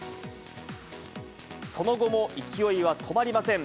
その後も勢いは止まりません。